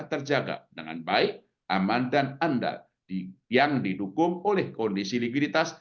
terjaga dengan baik aman dan andal yang didukung oleh kondisi likuiditas